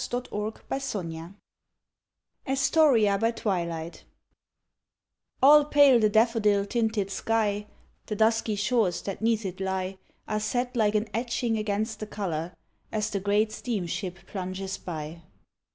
ASTORIA BY TWILIGHT 73 ASTORIA BY TWILIGHT ALL pale the daffodil tinted sky ; The dusky shores that 'neath it lie Are set like an etching against the color, As the great steamship plunges by.